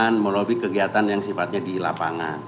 dengan melalui kegiatan yang sifatnya di lapangan